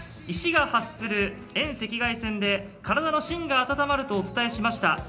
石が発する遠赤外線で体の芯が温まるとお伝えしました。